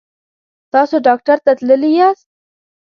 تاسو ډاکټر ته تللي یاست؟